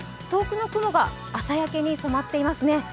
遠くの雲が朝焼けに染まっていますね。